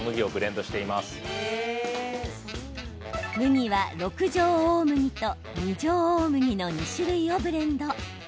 麦は、六条大麦と二条大麦の２種類をブレンド。